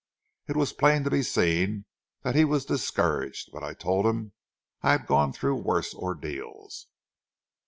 It was plain to be seen that he was discouraged, but I told him I had gone through worse ordeals.